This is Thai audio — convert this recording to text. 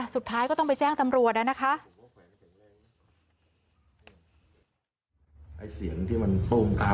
สุดท้ายก็ต้องไปแจ้งตำรวจนะคะ